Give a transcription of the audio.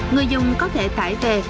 người dùng có thể tải về